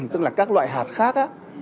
tức là các loại hạt khác